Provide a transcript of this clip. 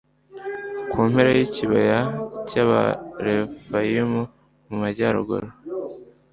ku mpera y'ikibaya cy'abarefayimu mu majyaruguru